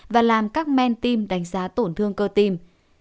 và làm các men tim đánh giá tổn thương cơ tim